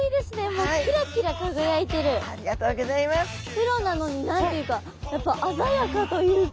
黒なのに何て言うかやっぱ鮮やかというか。